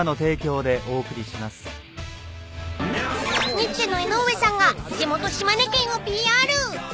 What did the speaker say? ［ニッチェの江上さんが地元島根県をＰＲ］